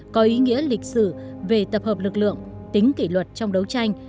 có ý nghĩa lịch sử về tập hợp lực lượng tính kỷ luật trong đấu tranh